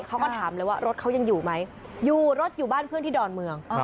เขาก็ถามเลยว่ารถเขายังอยู่ไหมอยู่รถอยู่บ้านเพื่อนที่ดอนเมือง